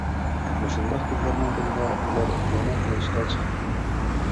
مۇشۇنداق كۈنلەرنىڭ بىرىدە ئۇلار يەنە ئۇرۇشقا چىقىپتۇ.